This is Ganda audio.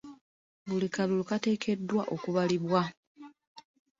Buli kalulu kateekeddwa okubalibwa.